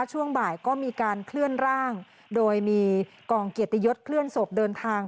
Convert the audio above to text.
ช่วงบ่ายก็มีการเคลื่อนร่างโดยมีกองเกียรติยศเคลื่อนศพเดินทาง